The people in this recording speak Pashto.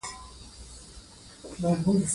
افغانستان د نفت د ساتنې لپاره قوانین لري.